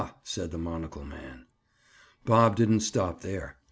said the monocle man. Bob didn't stop there.